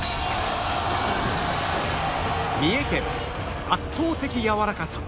三重県圧倒的やわらかさ